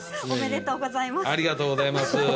おめでとうございます。